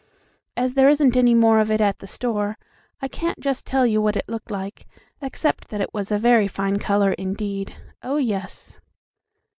As there isn't any more of it at the store, I can't just tell you what it looked like, except that it was a very fine color indeed, Oh, yes!